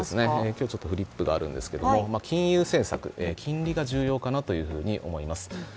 今日、フリップがあるんですけれども金融政策、金利が重要かなと思います。